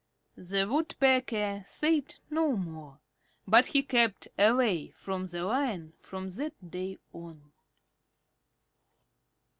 The Woodpecker said no more, but he kept away from the Lion from that day on.